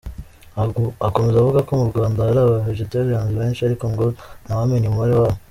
Akomeza avuga ko mu Rwanda hari aba-vegetaliens benshi ariko ngo ntawamenya umubare wabo.